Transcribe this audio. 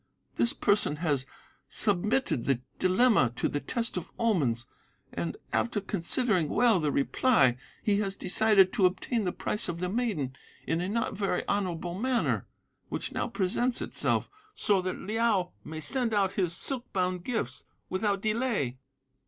This person has submitted the dilemma to the test of omens, and after considering well the reply, he has decided to obtain the price of the maiden in a not very honourable manner, which now presents itself, so that Liao may send out his silk bound gifts without delay.